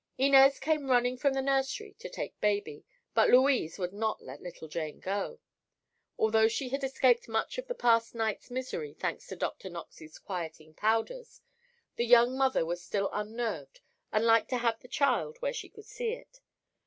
Inez came running from the nursery to take baby, but Louise would not let little Jane go. Although she had escaped much of the past night's misery, thanks to Dr. Knox's quieting powders, the young mother was still unnerved and liked to have the child where she could see it.